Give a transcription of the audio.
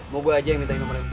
mau gue aja yang minta nomornya